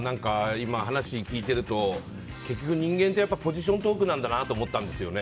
今、話聞いてると結局人間ってポジショントークなんだなと思ったんですね。